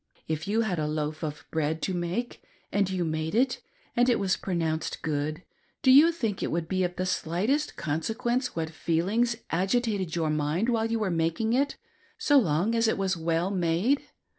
If you had a loaf of bread to make, and you made it, and it was pronounced good, do you think it would be of the slightest consequence what feelings agitated your mind while you were making it, so long as it was well made.'